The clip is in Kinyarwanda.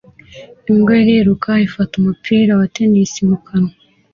Imbwa iriruka ifata umupira wa tennis mu kanwa